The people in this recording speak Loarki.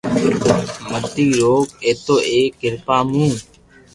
متي روڪ اينو ايڪ ڪريا مون